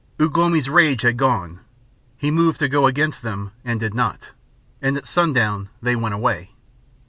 Ugh lomi's rage had gone, he moved to go against them and did not, and at sundown they went away.